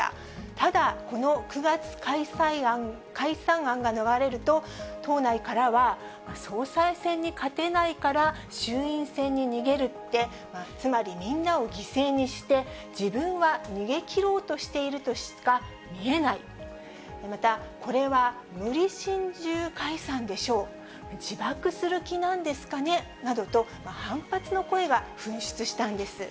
ただ、この９月解散案が流れると、党内からは、総裁選に勝てないから衆院選に逃げるって、つまり、みんなを犠牲にして自分は逃げきろうとしているとしか見えない、また、これは無理心中解散でしょう、自爆する気なんですかねなどと、反発の声が噴出したんです。